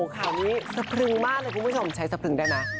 ข่าวนี้สะพรึงมากเลยคุณผู้ชมใช้สะพรึงได้ไหม